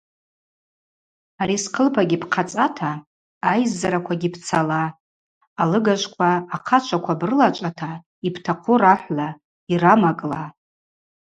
Ари схъылпагьи бхъацӏата айззараквагьи бцала, алыгажвква, ахъачваква брылачӏвата йбтахъу рахӏвла, йрамакӏла.